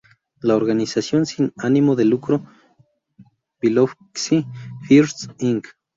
La organización sin ánimo de lucro Biloxi First, Inc.